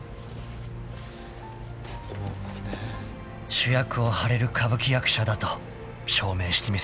［主役を張れる歌舞伎役者だと証明してみせました］